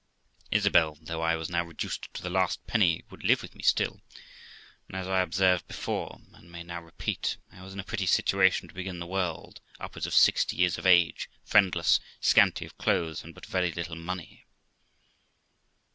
Isabel, though I was now reduced to the last penny, would live with me still, and, as I observed before and may now repeat, I was in a pretty situation to begin the world upwards of sixty years of age, friendless, scanty of clothes, and but very little money.